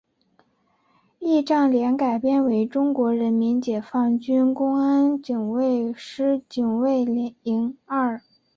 仪仗连改编为中国人民解放军公安警卫师警卫营二连。